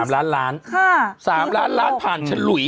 ๓ล้านล้านป่านฉลุย